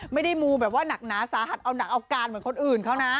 มูแบบว่าหนักหนาสาหัสเอาหนังเอาการเหมือนคนอื่นเขานะ